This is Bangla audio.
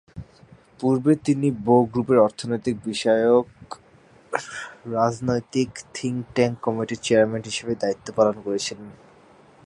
পূর্বে তিনি বো গ্রুপের অর্থনৈতিক বিষয়ক রাজনৈতিক থিঙ্ক-ট্যাঙ্ক কমিটির চেয়ারম্যান হিসাবে দায়িত্ব পালন করেছিলেন।